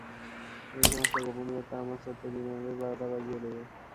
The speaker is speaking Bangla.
এই সমস্ত গোপনীয়তা আমার ছোট্ট ডিনারের বারোটা বাজিয়ে দেবে।